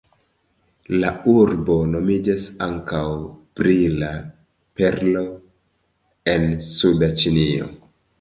La urbo nomiĝas ankaŭ "Brila Perlo en Suda Ĉinio".